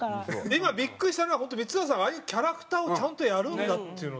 今ビックリしたのは本当光浦さんがああいうキャラクターをちゃんとやるんだっていう。